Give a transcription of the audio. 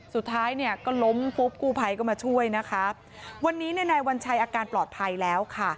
สุดท้ายเนี่ยก็ล้มปุ๊บกู้ภัยก็มาช่วยนะคะวันนี้เนี่ยนายวัญชัยอาการปลอดภัยแล้วค่ะ